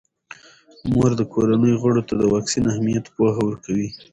مور د کورنۍ غړو ته د واکسین اهمیت پوهه ورکوي.